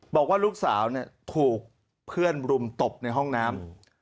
บอกว่าลูกสาวถูกเพื่อนรุมตบในห้องน้ำ